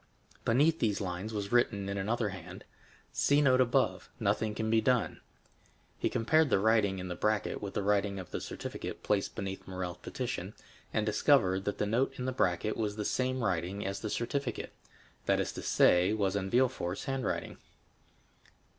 Beneath these lines was written in another hand: "See note above—nothing can be done." He compared the writing in the bracket with the writing of the certificate placed beneath Morrel's petition, and discovered that the note in the bracket was the same writing as the certificate—that is to say, was in Villefort's handwriting.